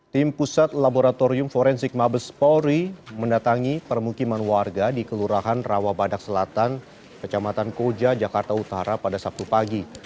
tim pusat laboratorium forensik mabes polri mendatangi permukiman warga di kelurahan rawabadak selatan kecamatan koja jakarta utara pada sabtu pagi